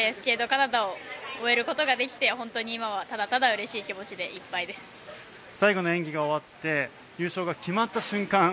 カナダを終えることができて本当に今はただただうれしい気持ちで最後の演技が終わって優勝が決まった瞬間